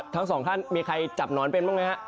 ทั้งสองท่านมีใครจับหนอนเป็นบ้างไหมฮะ